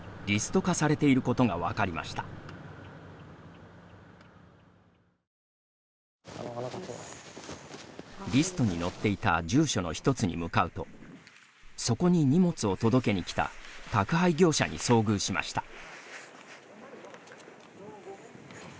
リストに載っていた住所の一つに向かうとそこに荷物を届けにきた宅配業者に遭遇しました。